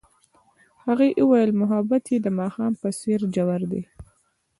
هغې وویل محبت یې د ماښام په څېر ژور دی.